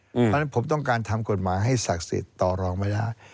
เพราะฉะนั้นผมต้องการทำกฎหมายให้ศักดิ์สิทธิ์ต่อรองไม่ได้